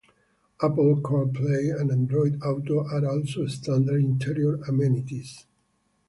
Apple Car Play and Android Auto are also standard interior amenities.